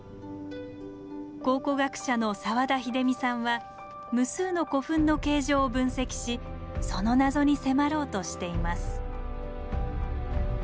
考古学者の澤田秀実さんは無数の古墳の形状を分析しその謎に迫ろうとしています。